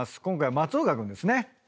今回松岡君ですね。